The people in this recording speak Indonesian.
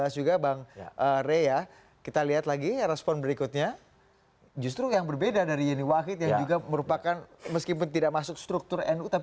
jelang penutupan pendaftaran